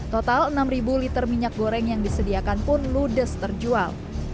total enam liter minyak goreng yang disediakan pun ludes terjual